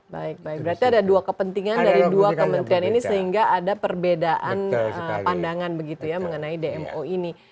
baik baik berarti ada dua kepentingan dari dua kementerian ini sehingga ada perbedaan pandangan begitu ya mengenai dmo ini